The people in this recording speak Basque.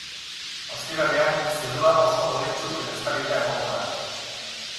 Ostiralean, zerua oso hodeitsu edo estalita egongo da.